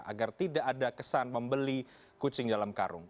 agar tidak ada kesan membeli kucing dalam karung